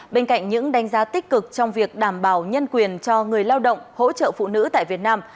bên cạnh những đánh giá tích cực trong việc đảm bảo nhân quyền cho người lao động hỗ trợ phụ nữ tại việt nam